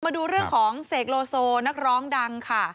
มาดูเรื่องของเสกโลโซนักร้องดังค่ะ